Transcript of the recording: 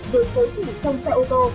rồi phối thủ trong xe ô tô